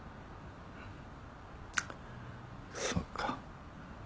そっか。